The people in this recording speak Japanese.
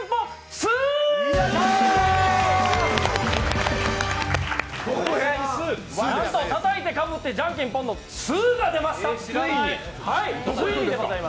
２なんとたたいてかぶってじゃんけんぽんの２が出ました。